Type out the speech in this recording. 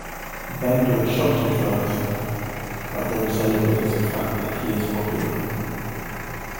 Bender is shocked at first, but then celebrates the fact that he is popular.